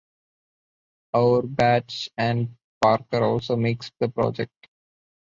Auerbach and Parker also mixed the project.